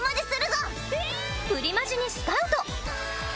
プリマジにスカウト。